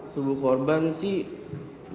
tubuh korban sih